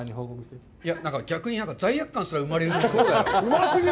逆に罪悪感さえ生まれるわ。